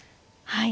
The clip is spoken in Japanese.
はい。